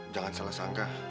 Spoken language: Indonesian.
jangan salah sangka